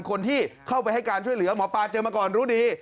คนที่เข้าไปให้การช่วยเหลือหมอปลาเจอมาก่อนรู้ดี